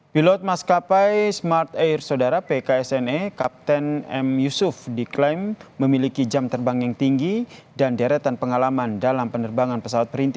pilot maskapai smart air sodara pksne kapten m yusuf diklaim memiliki jam terbang yang tinggi dan deretan pengalaman dalam penerbangan pesawat perintis